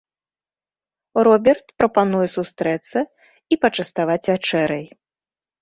Роберт прапануе сустрэцца і пачаставаць вячэрай.